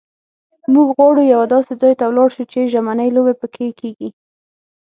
موږ غواړو یوه داسې ځای ته ولاړ شو چې ژمنۍ لوبې پکښې کېږي.